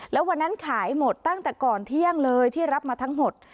แล้ววันนั้นขายหมดตั้งแต่ก่อนเที่ยงเลยที่รับมาทั้งหมด